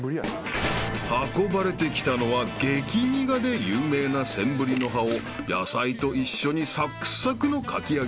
［運ばれてきたのは激苦で有名なセンブリの葉を野菜と一緒にサクサクのかき揚げにした